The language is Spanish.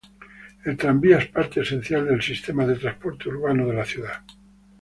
El tranvía es parte esencial del sistema de transporte urbano de la ciudad.